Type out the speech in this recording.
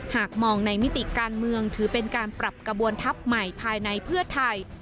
หากมองในมิติการเมืองถือเป็นการปรับกระบวนทัพใหม่ภายในเพื่อไทย